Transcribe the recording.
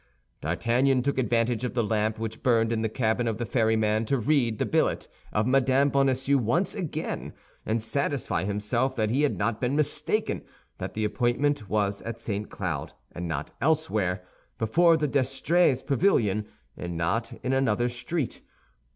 D'Artagnan took advantage of the lamp which burned in the cabin of the ferryman to read the billet of Mme. Bonacieux once again, and satisfy himself that he had not been mistaken, that the appointment was at St. Cloud and not elsewhere, before the D'Estrées's pavilion and not in another street.